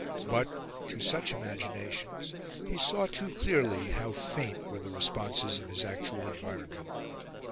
But, to such imaginations, he saw too clearly how faint were the responses of his actual environment.